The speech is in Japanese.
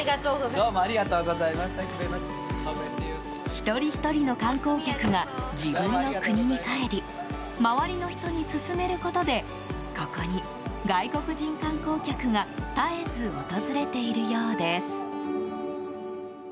一人ひとりの観光客が自分の国に帰り周りの人に勧めることでここに外国人観光客が絶えず訪れているようです。